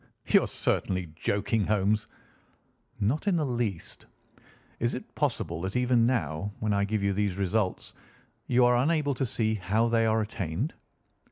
"You are certainly joking, Holmes." "Not in the least. Is it possible that even now, when I give you these results, you are unable to see how they are attained?"